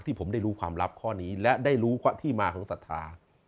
ผมได้รู้ความลับข้อนี้และได้รู้ที่มาของศรัทธา